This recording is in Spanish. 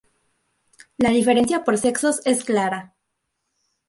La diferencia por sexos es clara.